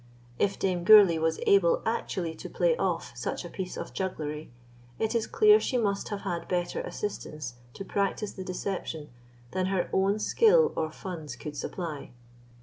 If Dame Gourlay was able actually to play off such a piece of jugglery, it is clear she must have had better assistance to practise the deception than her own skill or funds could supply.